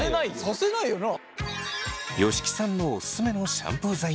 させないよな。